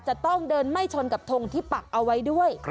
จะต้องเดินไม่ชนกับทงที่ปักเอาไว้ด้วย